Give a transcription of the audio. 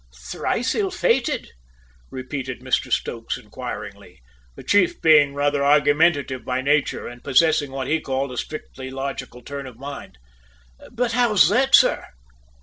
"Thrice ill fated?" repeated Mr Stokes inquiringly, the chief being rather argumentative by nature and possessing what he called a strictly logical turn of mind. "But how's that, sir?"